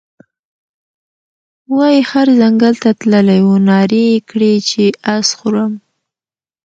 وايې خر ځنګل ته تللى وو نارې یې کړې چې اس خورم،